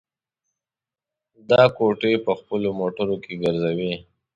دا کوټې په خپلو موټرو کې ګرځوي.